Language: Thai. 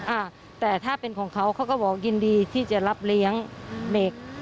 อ่าแต่ถ้าเป็นของเขาเขาก็บอกยินดีที่จะรับเลี้ยงเด็ก